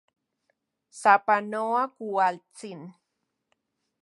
¡Sapanoa kualtsin!